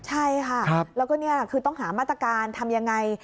ใช่ค่ะแล้วก็นี่คือต้องหามาตรการทำยังไง